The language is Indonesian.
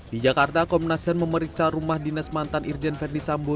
di jakarta komnas ham memeriksa rumah dinas mantan irjen verdi sambo